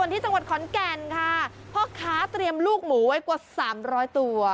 ที่จังหวัดขอนแก่นค่ะพ่อค้าเตรียมลูกหมูไว้กว่าสามร้อยตัว